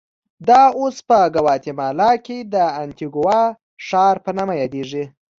دا اوس په ګواتیمالا کې د انتیګوا ښار په نامه یادېږي.